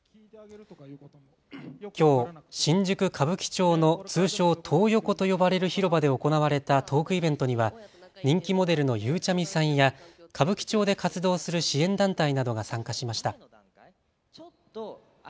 きょう新宿歌舞伎町の通称、トー横と呼ばれる広場で行われたトークイベントには人気モデルのゆうちゃみさんや歌舞伎町で活動する支援団体などが参加しました。